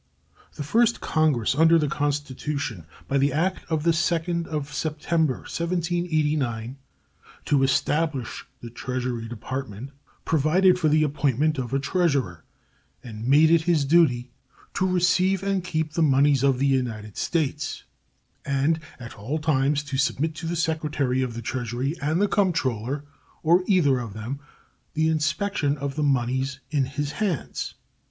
The first Congress under the Constitution, by the act of the 2d of September, 1789, "to establish the Treasury Department," provided for the appointment of a Treasurer, and made it his duty "to receive and keep the moneys of the United States" and "at all times to submit to the Secretary of the Treasury and the Comptroller, or either of them, the inspection of the moneys in his hands."